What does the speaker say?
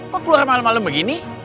kok keluar malam malam begini